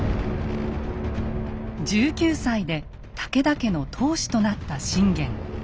１９歳で武田家の当主となった信玄。